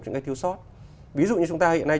những cái thiếu sót ví dụ như chúng ta hiện nay